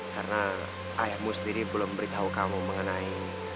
karena ayahmu sendiri belum beritahu kamu mengenai